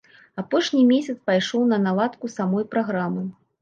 Апошні месяц пайшоў на наладку самой праграмы.